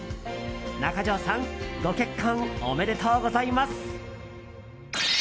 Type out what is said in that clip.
中条さんご結婚おめでとうございます！